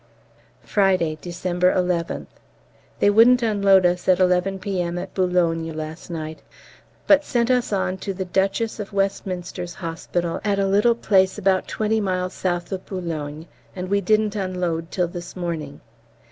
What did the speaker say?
Friday, December 11th. They wouldn't unload us at 11 P.M. at Boulogne last night, but sent us on to the Duchess of Westminster's Hospital at a little place about twenty miles south of B., and we didn't unload till this morning.